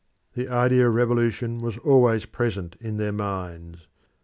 The idea of revolution was always present in their minds.